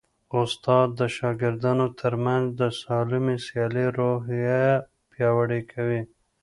استاد د شاګردانو ترمنځ د سالمې سیالۍ روحیه پیاوړې کوي.